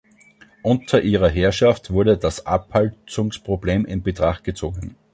Unter ihrer Herrschaft wurde das Abholzungsproblem in Betracht gezogen.